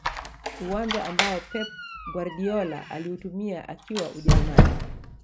uwanja ambao pep guardiola aliutumia akiwa ujerumani